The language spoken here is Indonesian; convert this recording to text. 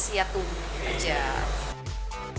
masih siap tubuh